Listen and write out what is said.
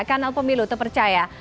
kanal pemilu terpercaya